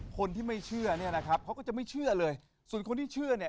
คนที่ไม่เชื่อเนี่ยนะครับเขาก็จะไม่เชื่อเลยส่วนคนที่เชื่อเนี่ย